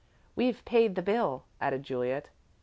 "We've paid the bill," added Juliet.